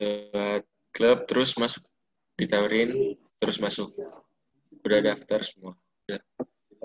lewat klub terus masuk ditawarin terus masuk udah daftar semua